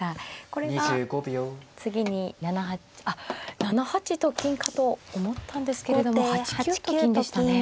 これは次に７八あっ７八と金かと思ったんですけれども８九と金でしたね。